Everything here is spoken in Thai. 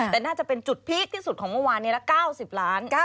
แต่น่าจะเป็นจุดพีคที่สุดของเมื่อวานนี้ละ๙๐ล้าน